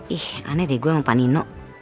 ih aneh deh gue sama pak nino